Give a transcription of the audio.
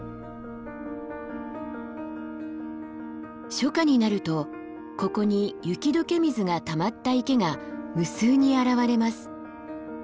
初夏になるとここに雪解け水がたまった池が無数に現れます。